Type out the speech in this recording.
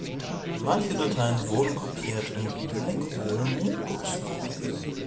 Manche Dateien wurden kopiert an Blackhole Motorsports.